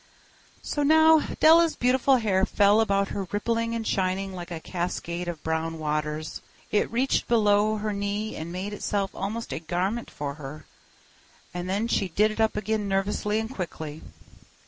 So now Della's beautiful hair fell about her rippling and shining like a cascade of brown waters. It reached below her knee and made itself almost a garment for her. And then she did it up again nervously and quickly.